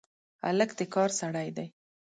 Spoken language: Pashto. هلک د کار سړی دی.